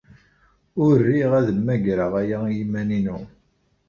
Ur riɣ ad mmagreɣ aya i yiman-inu.